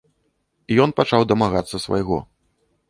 Ён пачаў дамагацца свайго.